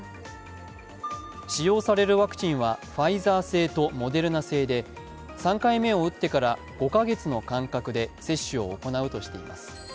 使用されるワクチンはファイザー製とモデルナ製で３回目を打ってから５カ月の間隔で接種を行うとしています。